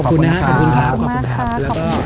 ขอบคุณนะขอบคุณมากขอบคุณค่ะ